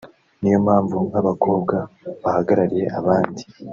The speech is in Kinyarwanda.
niyo mpamvu nk’abakobwa bahagarariye abandi